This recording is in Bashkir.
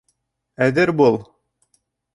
Әҙер бул!